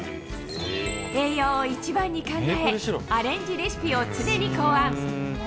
栄養を一番に考え、アレンジレシピを常に考案。